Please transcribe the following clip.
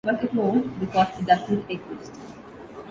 But it won't, because it doesn't exist.